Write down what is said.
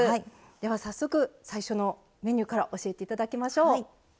では早速最初のメニューから教えて頂きましょう。